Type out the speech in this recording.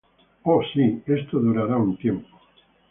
Oh, sí, esto durará un tiempo.